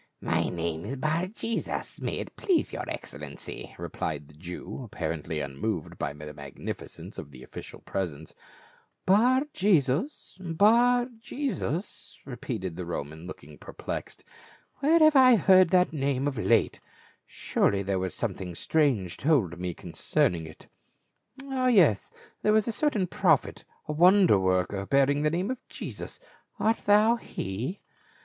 " My name is Bar jesus, may it please your excel lency," replied the Jew, apparently unmoved by the magnificence of the official presence. " Bar jesus — Bar jesus !" repeated the Roman look ing perplexed. " Where have I heard that name of late ? Surely there was something strange told me concerning it. Ah yes, there was a certain prophet, a wonder worker bearing the name of Jesus ; art thou he?"